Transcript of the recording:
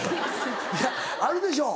いやあるでしょ？